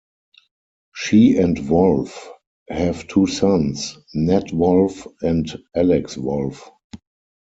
She and Wolff have two sons, Nat Wolff and Alex Wolff.